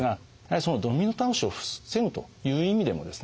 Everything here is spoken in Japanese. そのドミノ倒しを防ぐという意味でもですね